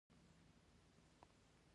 ښتې د افغانستان د موسم د بدلون سبب کېږي.